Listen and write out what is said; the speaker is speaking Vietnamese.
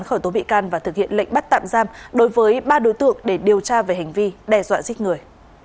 khởi tố bị can và thực hiện lệnh bắt tạm giam đối với ba đối tượng để điều tra về hành vi đe dọa giết người